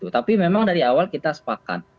tapi memang dari awal kita sepakat